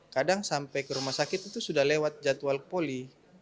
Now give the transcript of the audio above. kadang sampai ke rumah sakit itu sudah lewat jadwal poli